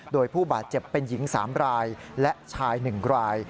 โดยผู้บาดเจ็บเป็นหญิง๓รายและชาย๑ราย